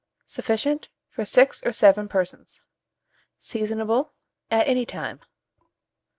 Sufficient for 6 or 7 persons. Seasonable at any time.